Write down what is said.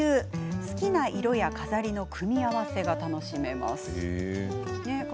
好きな色や飾りの組み合わせが楽しめます。